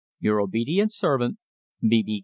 Your obedient servant, B. B.